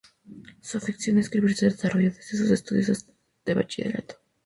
Su afición a escribir se desarrolló desde sus estudios de bachillerato.